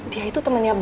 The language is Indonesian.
saya sudah banyak